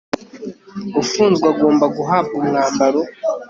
ufunzwe agomba guhabwa umwambaro